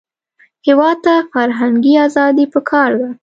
هېواد ته فرهنګي ازادي پکار ده